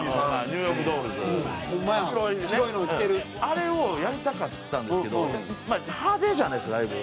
あれをやりたかったんですけどまあ派手じゃないですかだいぶ。